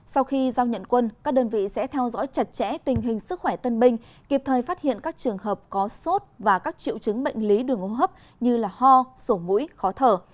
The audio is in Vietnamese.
sau khi giao nhận quân các đơn vị sẽ theo dõi chặt chẽ tình hình sức khỏe tân binh kịp thời phát hiện các trường hợp có sốt và các triệu chứng bệnh lý đường hô hấp như ho sổ mũi khó thở